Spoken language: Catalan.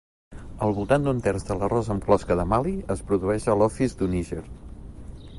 Al voltant d'un terç de l'arròs amb closca de Mali es produeix a l'Office du Niger.